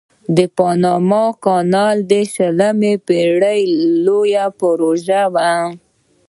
د پاناما کانال د شلمې پیړۍ لویه پروژه وه.